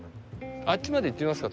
あっちまで行ってみますか。